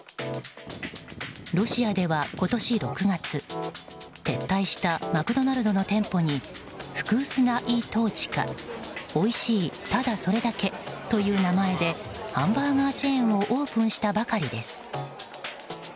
ロシアでは今年６月撤退したマクドナルドの店舗にフクースナ・イ・トーチカおいしいただそれだけという名前でハンバーガーチェーンをオープンしたばかりです。